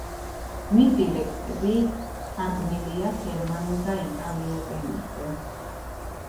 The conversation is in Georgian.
მისი ლექსები თარგმნილია გერმანულ და იტალიურ ენებზე.